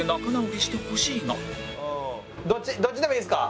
どっちどっちでもいいですか？